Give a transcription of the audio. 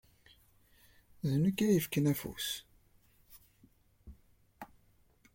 D nekk ay yefkan afus.